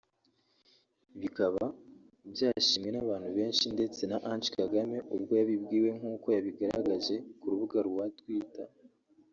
bikaba byashimwe n’abantu benshi ndetse na Ange Kagame ubwe yabibwiwe nk’uko yabigaragaje ku rubuga rwa twitter